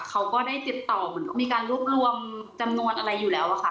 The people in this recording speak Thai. เขาก็ได้ติดต่อเหมือนมีการรวบรวมจำนวนอะไรอยู่แล้วอะค่ะ